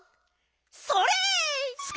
それ！